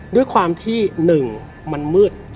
ด้วยความที่๑มันมืด